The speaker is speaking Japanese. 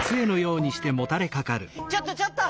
ちょっとちょっと！